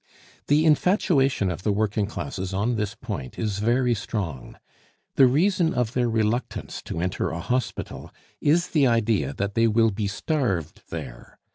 The infatuation of the working classes on this point is very strong. The reason of their reluctance to enter a hospital is the idea that they will be starved there.